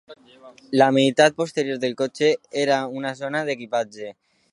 La meitat posterior del cotxe era una zona d'equipatge.